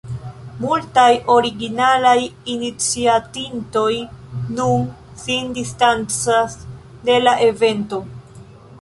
Multaj originalaj iniciatintoj nun sin distancas de la evento.